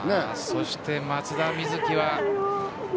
そして松田瑞生は。